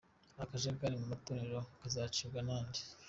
Akajagari mu matorero kazacibwa na nde?.